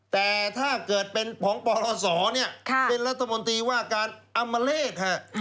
แต่ถ้าเกิดเป็นผองปรสอเป็นรัฐมนตรีว่าการอำเมล็ดค่ะ